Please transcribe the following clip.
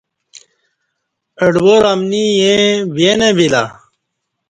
اڈوار امنی ییں وی نہ وی لہ۔